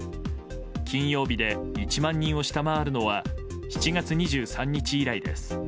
金曜日で１万人を下回るのは７月２３日以来です。